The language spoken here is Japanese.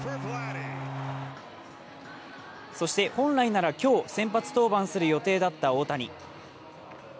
そして本来なら今日、先発登板する予定だった大谷。